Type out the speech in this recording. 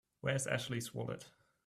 Where's Ashley's wallet?